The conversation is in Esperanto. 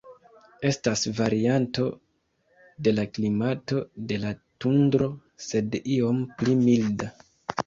Estas varianto de la klimato de la tundro, sed iom pli milda.